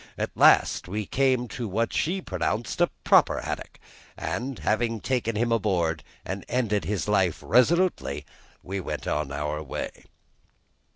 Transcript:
At last we came to what she pronounced a proper haddock, and having taken him on board and ended his life resolutely, we went our way.